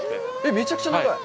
めちゃくちゃ長い！